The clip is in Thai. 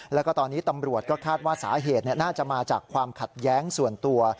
แล้วก็ตอนนี้ตำรวจก็คาดว่าสาเหตุน่าจะมาจากความขัดแย้งส่วนตัว